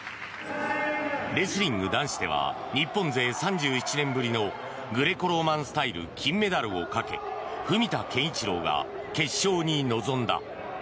レスリング男子では日本勢３７年ぶりのグレコローマン金メダルをかけ文田健一郎が決勝に臨んだ。